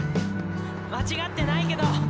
間違ってないけど！